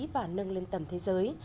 và nâng lên tầm thế giới